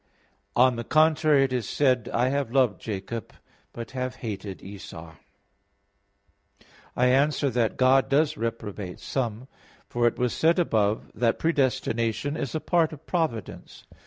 On the contrary, It is said (Malachi 1:2,3): "I have loved Jacob, but have hated Esau." I answer that, God does reprobate some. For it was said above (A. 1) that predestination is a part of providence.